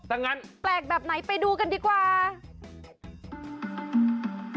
ถ้างั้นแปลกแบบไหนไปดูกันดีกว่า